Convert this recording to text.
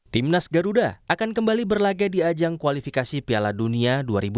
timnas garuda akan kembali berlaga di ajang kualifikasi piala dunia dua ribu dua puluh